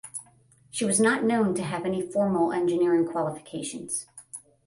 She was not known to have any formal engineering qualifications.